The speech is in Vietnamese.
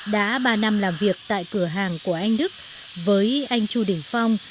đã ba năm làm việc tại cửa hàng của anh đức với anh chu đình phong